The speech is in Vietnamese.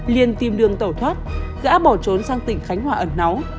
liền tìm đường tẩu thoát gã bỏ trốn sang tỉnh khánh hòa ẩn náu